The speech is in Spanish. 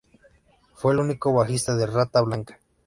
Fue el único bajista de Rata Blanca.